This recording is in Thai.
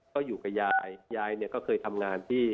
ก็อยู่กับยายยายเนี่ยก็เคยทำงานที่